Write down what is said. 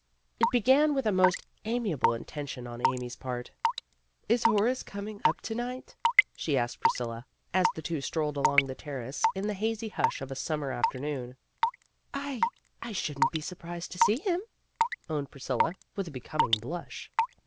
It began with a most amiable intention on Amy's part. "Is Horace coming up to night I '' she asked Priscilla, as the two strolled along the Terrace in the hazy hush of a summer after noon. PRISCILLA HAS A SECRET 89 "I I shouldn't be surprised to see him," owned Priscilla, with a becoming blush.